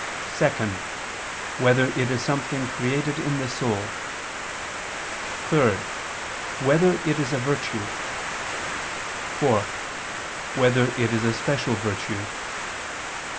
(2) Whether it is something created in the soul? (3) Whether it is a virtue? (4) Whether it is a special virtue?